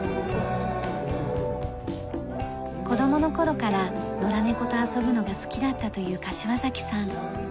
子供の頃から野良猫と遊ぶのが好きだったという柏崎さん。